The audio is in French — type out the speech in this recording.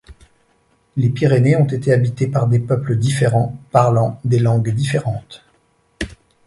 Les Pyrénées ont été habitées par des peuples différents, parlant des langues différentes.